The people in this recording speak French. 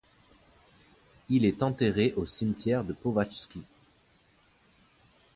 Elle est enterrée au cimetière de Powązki.